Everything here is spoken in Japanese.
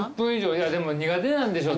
でも苦手なんでしょう